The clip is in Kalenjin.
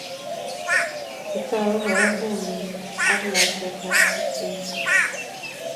kiitou kue komek ak lakwetab tupchenyin